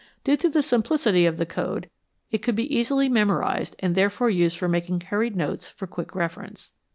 Due to the simplicity of the code, it could be easily memorized and therefore used for making hurried notes for quick reference.